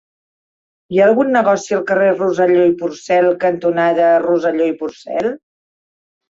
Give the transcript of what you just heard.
Hi ha algun negoci al carrer Rosselló i Porcel cantonada Rosselló i Porcel?